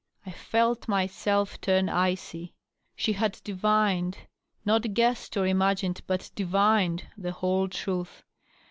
I felt myself turn icy. She had divined — ^not guessed or imagined, but divined — ^the whole truth.